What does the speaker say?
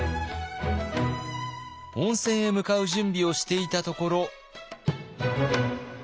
温泉へ向かう準備をしていたところ。